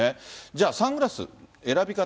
じゃあサングラス、選び方。